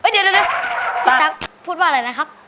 เดี๋ยวพูดว่าอะไรนะครับ